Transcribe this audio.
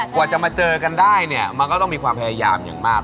กว่าจะมาเจอกันได้เนี่ยมันก็ต้องมีความพยายามอย่างมาก